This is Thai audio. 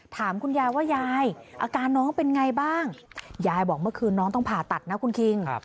ถามคุณยายว่ายายอาการน้องเป็นไงบ้างยายบอกเมื่อคืนน้องต้องผ่าตัดนะคุณคิง